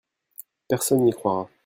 Personne n'y croira.